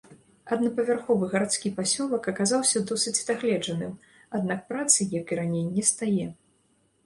Аднапавярховы гарадскі пасёлак аказаўся досыць дагледжаным, аднак працы, як і раней, нестае.